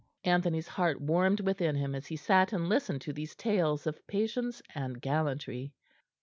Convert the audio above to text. Anthony's heart warmed within him as he sat and listened to these tales of patience and gallantry.